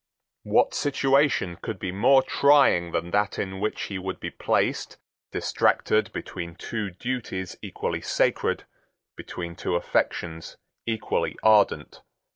What situation could be more trying than that in which he would be placed, distracted between two duties equally sacred, between two affections equally ardent?